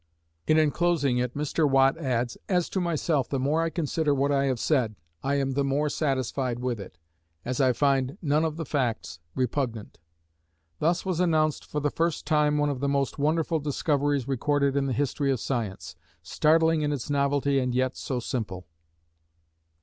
In enclosing it, Mr. Watt adds, "As to myself, the more I consider what I have said, I am the more satisfied with it, as I find none of the facts repugnant." Thus was announced for the first time one of the most wonderful discoveries recorded in the history of science, startling in its novelty and yet so simple.